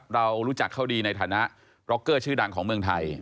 เรารู้จักเขาดีในฐานะร็อกเกอร์ชื่อดังของเมืองไทย